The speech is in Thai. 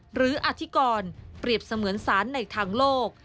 อธิกรเปรียบเสมือนสารในทางโลก